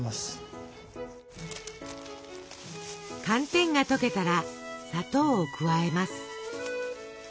寒天が溶けたら砂糖を加えます。